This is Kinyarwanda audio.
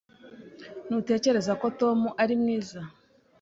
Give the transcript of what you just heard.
Ntutekereza ko Tom ari mwiza?